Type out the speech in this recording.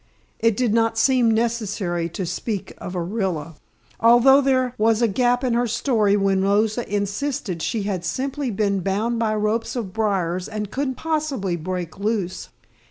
It did not seem necessary to speak of Orilla, although there was a gap in her story when Rosa insisted she had simply been bound by ropes of briars and couldn't possibly break loose.